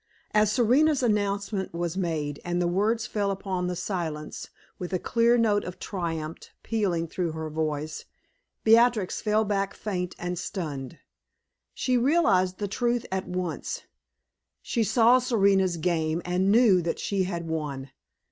As Serena's announcement was made, and the words fell upon the silence with a clear note of triumph pealing through her voice, Beatrix fell back faint and stunned. She realized the truth at once; she saw Serena's game, and knew that she had won.